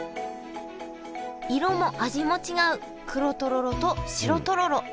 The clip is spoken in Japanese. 色も味も違う黒とろろと白とろろ。